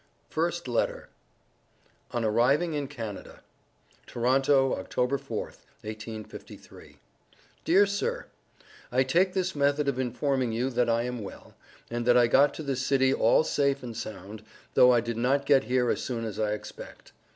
FIRST LETTER ON ARRIVING IN CANADA. TORONTO, October 4th, 1853. DEAR SIR: I take this method of informing you that I am well, and that I got to this city all safe and sound, though I did not get here as soon as I expect.